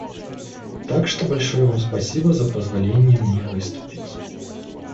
Так что большое Вам спасибо за позволение мне выступить.